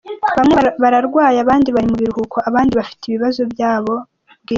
Bamwe bararwaye, abandi bari mu biruhuko, abandi bafite ibibazo byabo bwite.